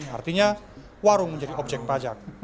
artinya warung menjadi objek pajak